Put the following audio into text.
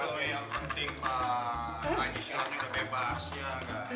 tapi yang penting pak haji sulamnya udah bebas ya